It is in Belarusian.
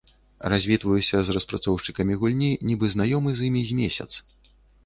Развітваюся з распрацоўшчыкамі гульні, нібы знаёмы з імі з месяц.